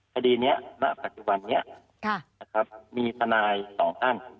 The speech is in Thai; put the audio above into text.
คดีเนี่ยณปัจจุบันนี้มีธนายสองขั้น